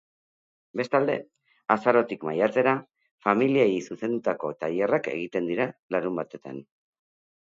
Bestalde, azarotik maiatzera, familiei zuzendutako tailerrak egiten dira larunbatetan.